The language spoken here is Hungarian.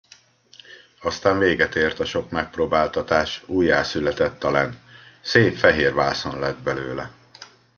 Aztán véget ért a sok megpróbáltatás, újjászületett a len: szép fehér vászon lett belőle.